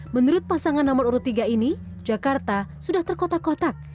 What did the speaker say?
menurut pasangan nomor urut tiga ini jakarta sudah terkotak kotak